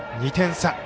２点差。